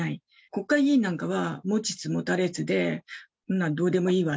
国会議員なんかは持ちつ持たれつで、そんなんどうでもいいわ。